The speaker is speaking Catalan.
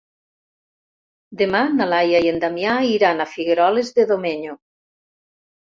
Demà na Laia i en Damià iran a Figueroles de Domenyo.